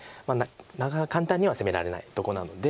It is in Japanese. なかなか簡単には攻められないとこなので。